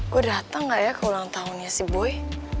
gue dateng gak ya ke ulang tahunnya si boy